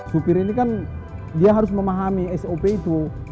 supir ini kan dia harus memahami sop itu